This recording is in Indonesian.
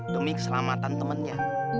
demi keselamatan temannya